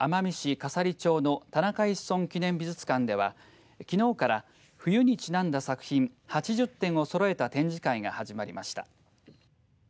笠利町の田中一村記念美術館ではきのうから、冬にちなんだ作品８０点をそろえた展示会が始まりました。